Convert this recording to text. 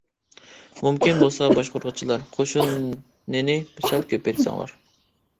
مۇمكىن بولسا باشقۇرغۇچىلار قوشۇنىنى سەل كۆپەيتسەڭلار!